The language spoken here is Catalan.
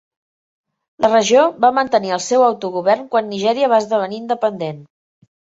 La regió va mantenir el seu autogovern quan Nigèria va esdevenir independent.